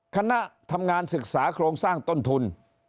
คณะทำงานศึกษาโครงสร้างต้นทุน